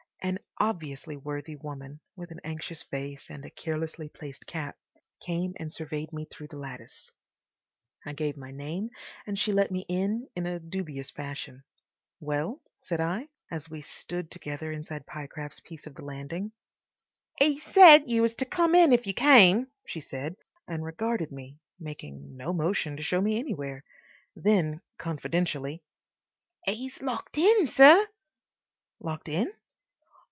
An obviously worthy woman, with an anxious face and a carelessly placed cap, came and surveyed me through the lattice. I gave my name and she let me in in a dubious fashion. "Well?" said I, as we stood together inside Pyecraft's piece of the landing. "'E said you was to come in if you came," she said, and regarded me, making no motion to show me anywhere. And then, confidentially, "'E's locked in, sir." "Locked in?"